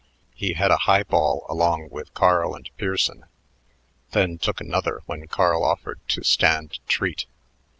He had a high ball along with Carl and Pearson; then took another when Carl offered to stand treat.